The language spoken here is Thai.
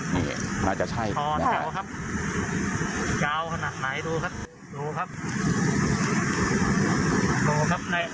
นี่น่าจะใช่พลังไหนดูครับดูครับ